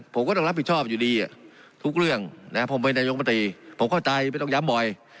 ผมก็ต้องรับผิดชอบอยู่ดีทุกเรื่องนะผมเป็นนายกมตรีผมเข้าใจไม่ต้องย้ำบ่อย